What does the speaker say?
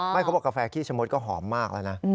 ไม่เขาบอกกาแฟขี้ฉมดก็หอมมากเลยนะ